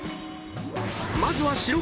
［まずは白組。